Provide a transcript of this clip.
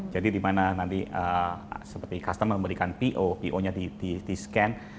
jadi dimana nanti seperti customer memberikan po po nya discan